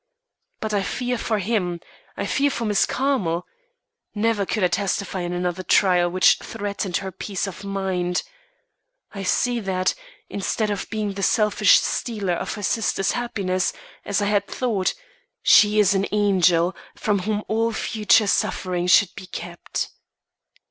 But I fear for him; I fear for Miss Carmel. Never could I testify in another trial which threatened her peace of mind. I see that, instead of being the selfish stealer of her sister's happiness, as I had thought, she is an angel from whom all future suffering should be kept.